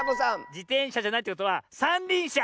じてんしゃじゃないということはさんりんしゃ！